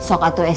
aku mau dengerin